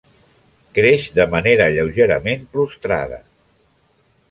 Creix de manera lleugerament prostrada.